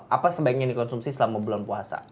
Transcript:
apa sebaiknya dikonsumsi selama bulan puasa